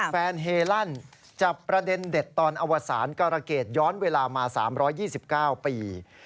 เฮลั่นจับประเด็นเด็ดตอนอวสารกรเกษย้อนเวลามา๓๒๙ปี